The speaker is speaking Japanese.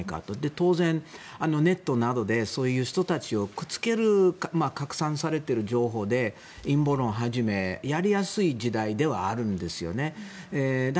当然、ネットなどでそういう人たちをくっつける拡散されてる情報で陰謀論はじめ、やりやすい時代ではあるんですよね。